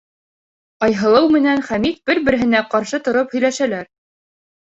Айһылыу менән Хәмит бер-береһенә ҡаршы тороп һөйләшәләр.